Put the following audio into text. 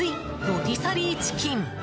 ロティサリーチキン。